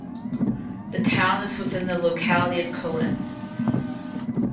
The town is within the locality of Coen.